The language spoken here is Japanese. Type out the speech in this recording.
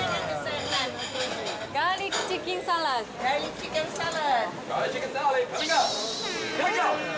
ガーリックチキンサラダ。